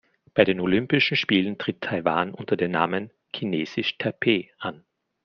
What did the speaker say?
Bei den Olympischen Spielen tritt Taiwan unter dem Namen „Chinesisch Taipeh“ an.